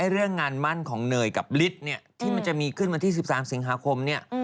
เรื่องงานมั่นของเนยกับฤทธิ์ที่มันจะมีขึ้นวันที่๑๓สิงหาคมเนี่ย